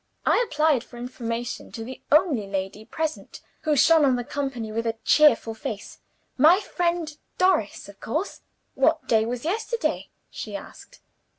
I applied for information to the only lady present who shone on the company with a cheerful face my friend Doris, of course. "'What day was yesterday?' she asked.